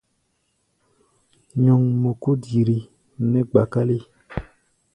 Nyɔŋmɔ kó diri nɛ́ gba-kálé.